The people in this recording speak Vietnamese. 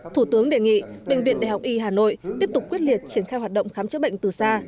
thủ tướng đề nghị bệnh viện đại học y hà nội tiếp tục quyết liệt triển khai hoạt động khám chữa bệnh từ xa